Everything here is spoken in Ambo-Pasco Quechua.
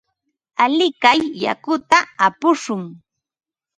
Alikay yakuta upushun.